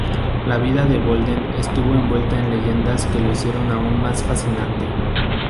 La vida de Bolden estuvo envuelta en leyendas que lo hicieron aún más fascinante.